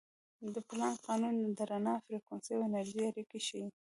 د پلانک قانون د رڼا فریکونسي او انرژي اړیکې ښيي.